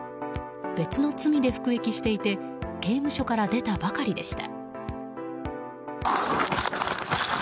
別の罪で服役していて刑務所から出たばかりでした。